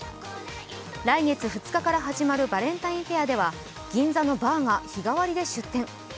来月２日から始まるバレンタインフェアでは、銀座のバーが日替わりで出店。